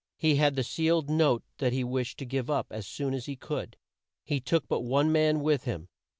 He had the sealed note that he wished to give up as soon as he could. He took but one man with him.